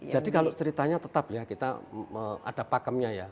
jadi kalau ceritanya tetap ya kita ada pakemnya ya